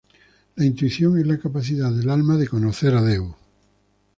La intuición es la capacidad del alma de conocer a Dios.